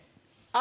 あ